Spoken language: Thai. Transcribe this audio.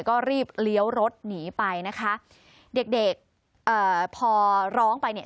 ก็รีบเลี้ยวรถหนีไปนะคะเด็กพอร้องไปเนี่ย